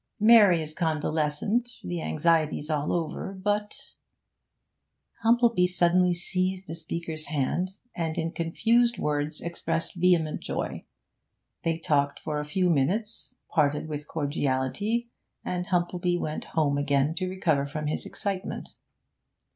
Mary is convalescent; the anxiety's all over, but ' Humplebee suddenly seized the speaker's hand, and in confused words expressed vehement joy. They talked for a few minutes, parted with cordiality, and Humplebee went home again to recover from his excitement.